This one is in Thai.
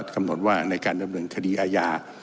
กำหนดว่าในการดำเนินคดีอาญา